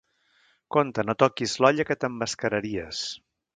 Compte, no toquis l'olla, que t'emmascararies!